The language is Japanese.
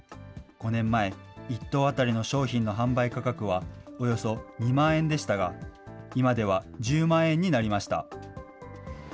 ５年前、１頭当たりの商品の販売価格はおよそ２万円でしたが、今では１０万円になりました。